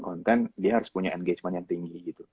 konten dia harus punya engagement yang tinggi gitu